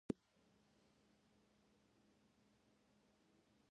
د غیراڼ بیا لس کړۍ، دا څوک خوړلی شي، لویې کړۍ وې.